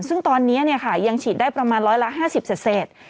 ซึ่งตอนนี้ยังฉีดได้ประมาณร้อยละ๕๐เศษ